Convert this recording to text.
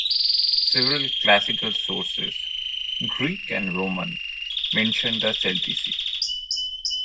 Several classical sources, Greek and Roman, mentioned the Celtici.